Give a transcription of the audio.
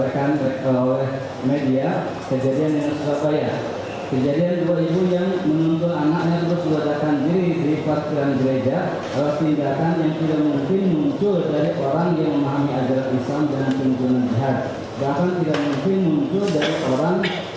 kejadian dua ibu yang menuntun anaknya terus berada di jirik jirik pasiran jiridah adalah tindakan yang tidak mungkin muncul dari orang yang memahami adat islam dan penyembuhan jahat